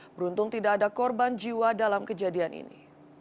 beruntung tidak ada korban jiwa dalam kejadian ini